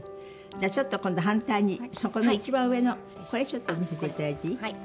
じゃあちょっと今度反対にそこの一番上のこれちょっと見せて頂いていい？